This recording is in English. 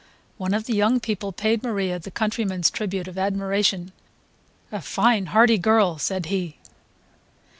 One of the young people paid Maria the countryman's tribute of admiration "A fine hearty girl!" said he.